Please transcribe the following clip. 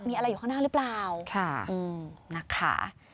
มีอะไรอยู่ข้างหน้าหรือเปล่านะคะ